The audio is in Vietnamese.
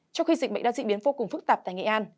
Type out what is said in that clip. trong khi dịch bệnh đã diễn biến vô cùng phức tạp tại nghệ an